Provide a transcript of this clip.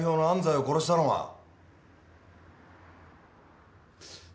安西を殺したのは！